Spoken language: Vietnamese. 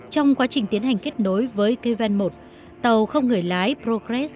trong quá trình tiến hành kết nối với kv một tàu không người lái progress